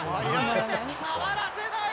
触らせない。